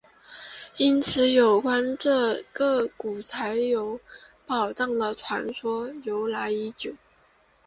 因此有关这个古宅有宝藏的传说由来已久。